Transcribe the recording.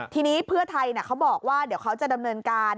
ทีนี้เพื่อไทยเขาบอกว่าเดี๋ยวเขาจะดำเนินการ